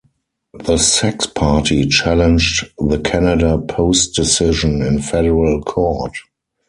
The Sex Party challenged the Canada Post decision in federal court.